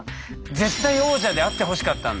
絶対王者であってほしかったんだ。